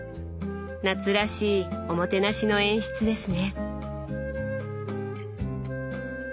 夏らしいおもてなしの演出ですね。